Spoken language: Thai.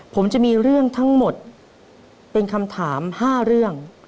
ผมจะมีเรื่องทั้งหมดเป็นคำถาม๕เรื่อง